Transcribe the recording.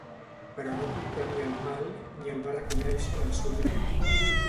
Però no comprenia el mal, ni el va reconèixer en el seu germà.